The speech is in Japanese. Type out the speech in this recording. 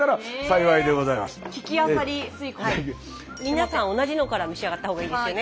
皆さん同じのから召し上がったほうがいいですよね。